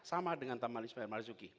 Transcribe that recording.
sama dengan taman ismail marzuki